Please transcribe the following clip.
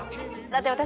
だって私。